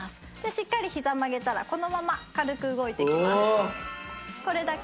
しっかりひざ曲げたらこのまま軽く動いていきます。